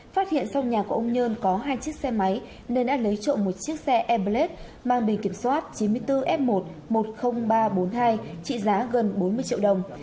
phát hiện trong nhà của ông nhơn có hai chiếc xe máy nên đã lấy trộm một chiếc xe airblade mang bì kiểm soát chín mươi bốn f một một mươi nghìn ba trăm bốn mươi hai trị giá gần bốn mươi triệu đồng